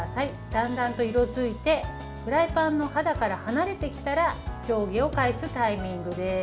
だんだんと色づいてフライパンの肌から離れてきたら上下を返すタイミングです。